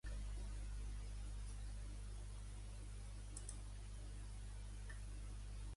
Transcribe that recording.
Jo guilloixe, envere, enrastre, encroste, impetre, edifique